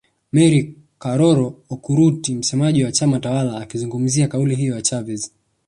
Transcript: Mary Karoro Okurut msemaji wa chama tawala akizungumzia kauli hiyo ya Chavez